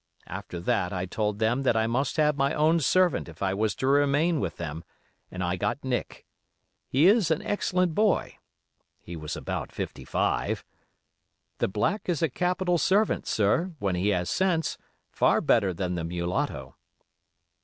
After that I told them that I must have my own servant if I was to remain with them, and I got Nick. He is an excellent boy (he was about fifty five). The black is a capital servant, sir, when he has sense, far better than the mulatto.